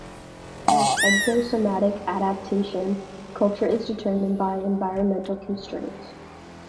As exosomatic adaptation, culture is determined by environmental constraints.